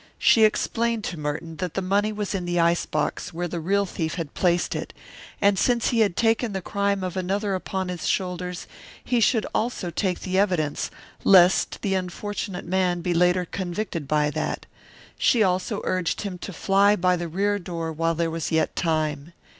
She explained to Merton that the money was in the ice box where the real thief had placed it, and since he had taken the crime of another upon his shoulders he should also take the evidence, lest the unfortunate young man be later convicted by that; she also urged him to fly by the rear door while there was yet time.